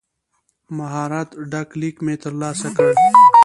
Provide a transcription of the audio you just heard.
مهربانی ډک لیک مې ترلاسه کړ.